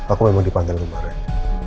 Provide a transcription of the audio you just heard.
aku memang dipanggil kemarin